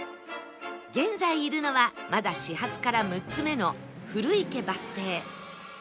現在いるのはまだ始発から６つ目の古池バス停